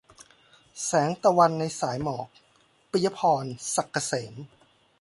แสงตะวันในสายหมอก - ปิยะพร ศักดิ์เกษม